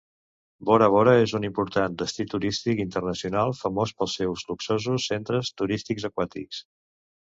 Bora Bora és un important destí turístic internacional, famós pels seus luxosos centres turístics aquàtics.